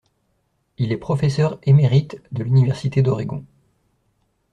Il est professeur émérite de l'université d'Oregon.